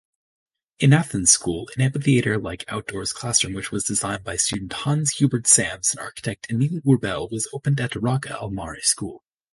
An Athens school, an amphitheater-like outdoors classroom which was designed by student Hans Hubert Sams and architect Emil Urbel, was opened at Rocca al Mare school.